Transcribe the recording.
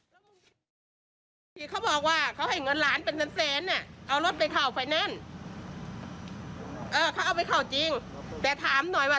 เราตั้งให้ผัวกับบ้านหมดลูกจะขอสักบาทยังไม่ได้เอาไปผัวหมด